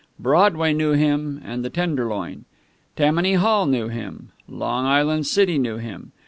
Broadway knew him, and the Tenderloin. Tammany Hall knew him. Long Island City knew him.